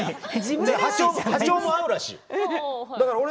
波長も合うらしいの。